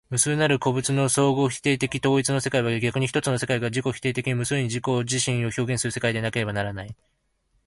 無数なる個物の相互否定的統一の世界は、逆に一つの世界が自己否定的に無数に自己自身を表現する世界でなければならない。